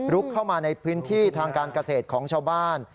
เข้ามาในพื้นที่ทางการเกษตรของชาวบ้าน